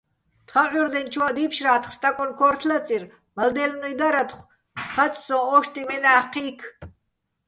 თხა ჸურდეჼ, ჩუაჸ დიფშრა́თხ, სტაკონ ქო́რთო̆ ლაწირ, მალდელნუ́ჲ დარათხო̆, ხაწ სო́ჼ: ოშტიჸ მენა́ხ ჴი́ქ.